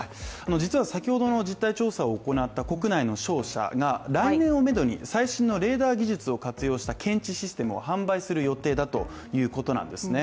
実は先ほどの実態調査を行った国内の商社が来年をめどに、最新のレーダー技術を用いた検知システムを導入予定なんですね。